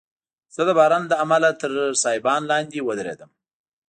زه د باران له امله تر سایبان لاندي ودریدم.